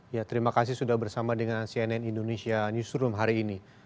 ya terima kasih sudah bersama dengan cnn indonesia newsroom hari ini